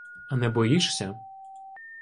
— А не боїшся?